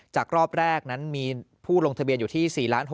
จากรอบแรกนั้นมีผู้ลงทะเบียนอยู่ที่๔๖๐๐